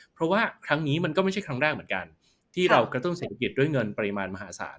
เพราะว่าครั้งนี้มันก็ไม่ใช่ครั้งแรกเหมือนกันที่เรากระตุ้นเศรษฐกิจด้วยเงินปริมาณมหาศาล